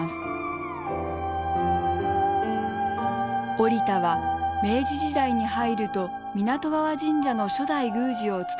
折田は明治時代に入ると湊川神社の初代宮司を務めました。